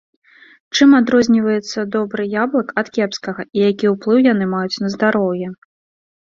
Чым адрозніваецца добры яблык ад кепскага і які ўплыў яны маюць на здароўе.